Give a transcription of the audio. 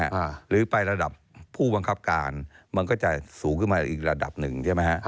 หรือไประดับผู้บังคับการมันก็จะสูงขึ้นมาอีกระดับหนึ่งใช่ไหมฮะ